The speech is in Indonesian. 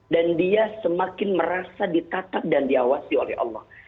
dan dia semakin merasa ditatap dan diawasi oleh allah